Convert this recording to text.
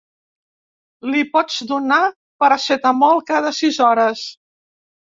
Li pots donar paracetamol cada sis hores.